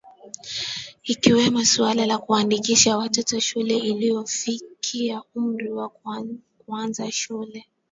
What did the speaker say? ikiwemo suala la kuwaandikisha watoto shule waliofikia umri wa kuanza shule